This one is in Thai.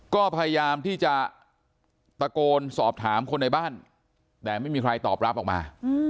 ก็พยายามที่จะตะโกนสอบถามคนในบ้านแต่ไม่มีใครตอบรับออกมา